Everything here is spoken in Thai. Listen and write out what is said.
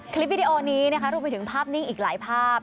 วิดีโอนี้นะคะรวมไปถึงภาพนิ่งอีกหลายภาพ